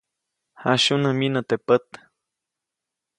Jasyunä myinä teʼ pät.